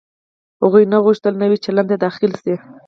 هغوی نه غوښتل نوي چلند ته داخل شي.